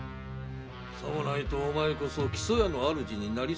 さもないとお前こそ木曽屋の主になりそこねるぞ。